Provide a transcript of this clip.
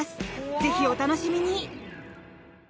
ぜひ、お楽しみに！